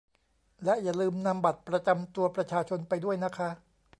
และอย่าลืมนำบัตรประจำตัวประชาชนไปด้วยนะคะ